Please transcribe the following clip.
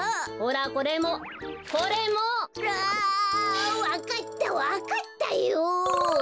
ああわかったわかったよ！